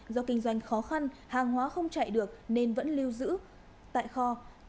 do kinh doanh khó khăn hàng hóa không chạy được nên vẫn lưu giữ tại kho